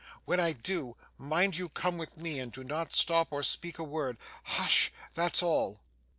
When I do, mind you come with me, and do not stop or speak a word. Hush! That's all.